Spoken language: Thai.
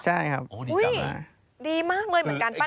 ใช่ครับอุ้ยดีมากเลยเหมือนการปั้นอินตมัน